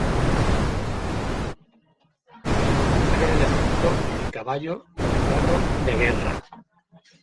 Introdujeron en Egipto el caballo y el carro de guerra.